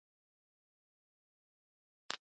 هغه ډهلي ته ورسي او قدرت وځپي.